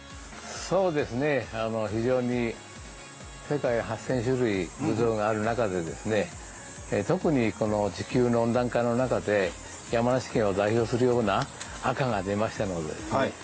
そうですね、世界８０００種類ぶどうがある中で特に地球の温暖化の中で山梨県を代表するような赤が出ましたので。